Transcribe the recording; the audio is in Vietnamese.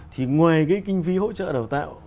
thì ngoài kinh phí hỗ trợ đào tạo